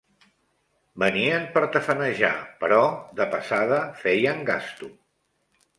Venien per tafanejar, però de passada feien gasto.